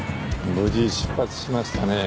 無事出発しましたねぇ。